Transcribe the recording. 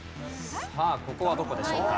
さあここはどこでしょうか？